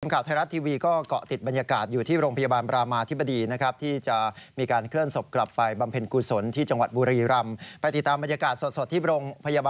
สวัสดีครับสวัสดีครับ